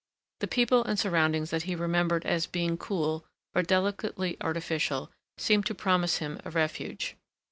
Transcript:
The people and surroundings that he remembered as being cool or delicately artificial, seemed to promise him a refuge.